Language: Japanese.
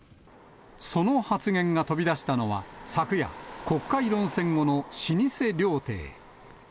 その発言が飛び出したのは、昨夜、国会論戦後の老舗料亭。